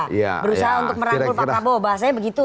berusaha untuk merangkul pak prabowo bahasanya begitu